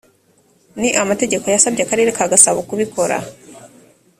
n amategeko yasabye akarere ka gasabo kubikora